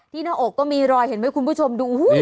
หน้าอกก็มีรอยเห็นไหมคุณผู้ชมดู